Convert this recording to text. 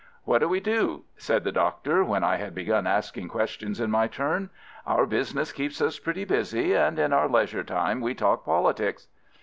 "What do we do?" said the Doctor, when I had begun asking questions in my turn. "Our business keeps us pretty busy, and in our leisure time we talk politics."